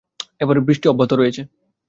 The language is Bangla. এবারও বৃষ্টি অব্যাহত রয়েছে।